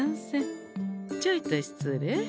ちょいと失礼。